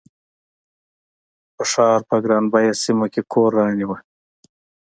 په ښار په ګران بیه سیمه کې کور رانیوه.